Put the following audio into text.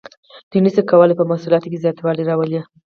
دوی نشو کولی په محصولاتو کې زیاتوالی راولي.